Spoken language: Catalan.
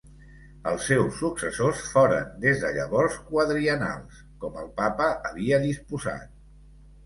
Els seus successors foren des de llavors quadriennals, com el Papa havia disposat.